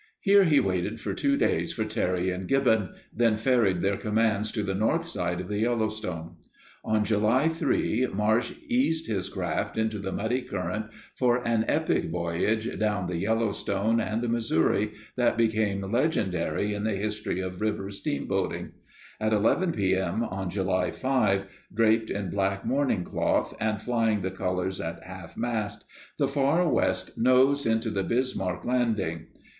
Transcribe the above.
Here he waited for two days for Terry and Gibbon, then ferried their commands to the north side of the Yellowstone. On July 3 Marsh eased his craft into the muddy current for an epic voyage down the Yellowstone and the Missouri that became legend ary in the history of river steamboating. At 11 p.m. on July 5, draped in black mourning cloth and flying the colors at half mast, the Far West nosed into the Bismarck landing.